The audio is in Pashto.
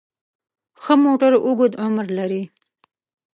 ښه موټر اوږد عمر لري.